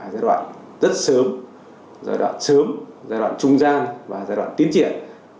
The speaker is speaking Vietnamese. giai đoạn rất sớm giai đoạn sớm giai đoạn trung gian và giai đoạn tiến triển